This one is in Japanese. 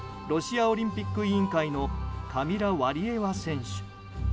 ロシアオリンピック委員会のカミラ・ワリエワ選手。